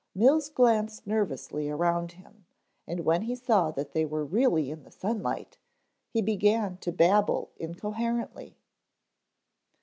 Mills glanced nervously around him and when he saw that they were really in the sunlight, he began to babble incoherently.